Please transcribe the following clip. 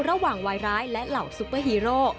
ระหว่างวัยร้ายและเหล่าซุปเปอร์ฮีโร่